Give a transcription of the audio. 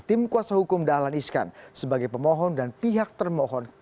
tim kuasa hukum dahlan iskan sebagai pemohon dan pihak termohon